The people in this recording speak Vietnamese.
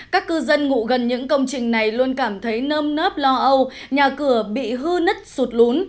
các cư dân ngụ gần những công trình này luôn cảm thấy nơm nớp lo âu nhà cửa bị hư nứt sụt lún